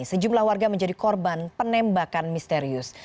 sejumlah warga menjadi korban penembakan misterius